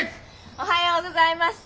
おはようございます。